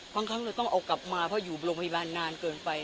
ครั้งเราต้องเอากลับมาเพราะอยู่โรงพยาบาลนานเกินไป